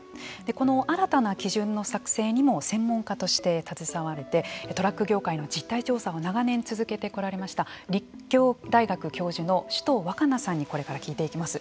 この新たな基準の作成にも専門家として携われてトラック業界の実態調査を長年続けてこられました立教大学教授の首藤若菜さんにこれから聞いていきます。